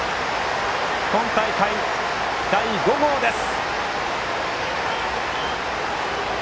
今大会、第５号です。